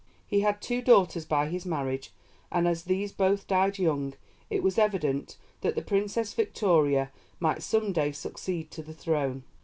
He had two daughters by his marriage, and as these both died young it was evident that the Princess Victoria might some day succeed to the throne.